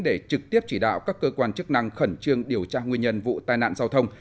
để trực tiếp chỉ đạo các cơ quan chức năng khẩn trương điều tra nguyên nhân vụ tai nạn giao thông